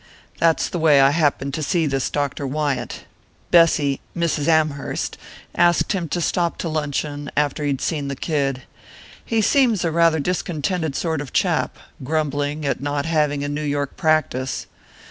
"That's the way I happened to see this Dr. Wyant. Bessy Mrs. Amherst asked him to stop to luncheon, after he'd seen the kid. He seems rather a discontented sort of a chap grumbling at not having a New York practice.